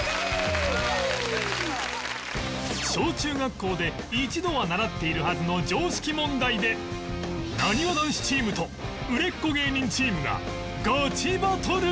小・中学校で一度は習っているはずの常識問題でなにわ男子チームと売れっ子芸人チームがガチバトル！